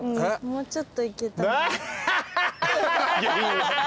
もうちょっといけた。